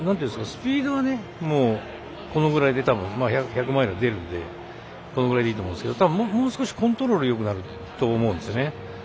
スピード、このぐらいで１００マイル出るのでこのぐらいでいいと思うんですけどたぶん、もう少しコントロールよくなると思うんですよね。